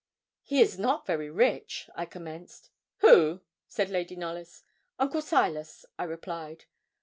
'He is not very rich,' I commenced. 'Who?' said Lady Knollys. 'Uncle Silas,' I replied.